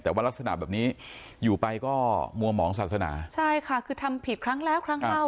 แต่ว่ารักษณะแบบนี้อยู่ไปก็มวมเหมาสัตสนาใช่ค่ะคือทำผิดครั้งแล้ว